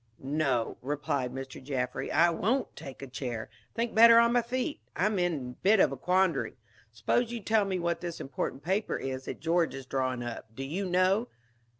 "No," replied Mr. Jaffry, "I won't take a chair. Think better on my feet. I'm in a bit of a quandary. Suppose you tell me what this important paper is that George is drawing up. Do you know?"